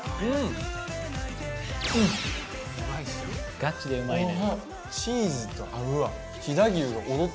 ガチでうまいね。